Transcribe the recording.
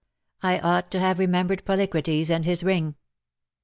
' I ougbt to bave remembered Polycrates and bis riug.